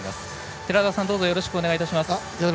寺田さん、どうぞよろしくお願いいたします。